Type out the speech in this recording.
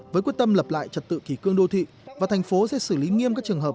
với quyết tâm lập lại trật tự kỳ cương đô thị và thành phố sẽ xử lý nghiêm các trường hợp